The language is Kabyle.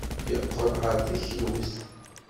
Yeqqel ɣer teklut.